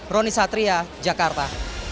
roni satria jakarta